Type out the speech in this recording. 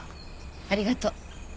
ありがとう。